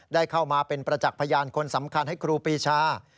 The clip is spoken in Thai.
ได้เข้ามาเป็นประจักษ์พยานคนสำคัญให้ครูปีชา